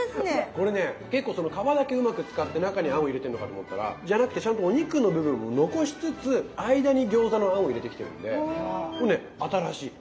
これね結構皮だけうまく使って中に餡を入れてんのかと思ったらじゃなくてちゃんとお肉の部分も残しつつ間に餃子の餡を入れてきてるんでこれね新しい。